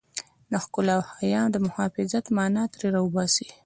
د ښکلا او حيا د محافظت مانا ترې را وباسي.